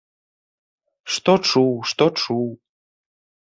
Што чуў, што чуў?